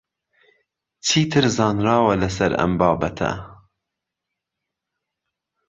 چیتر زانراوە لەسەر ئەم بابەتە؟